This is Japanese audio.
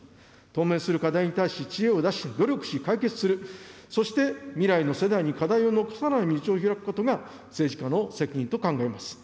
当面する課題に対し、知恵を出し、努力し、解決する、そして未来の世代に課題を残さない道を開くことが、政治家の責任と考えます。